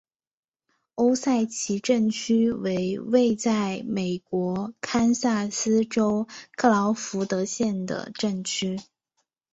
欧塞奇镇区为位在美国堪萨斯州克劳福德县的镇区。